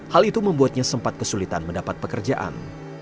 hal itu membuatnya sempat kesulitan mendapat pekerjaan